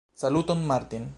Saluton Martin!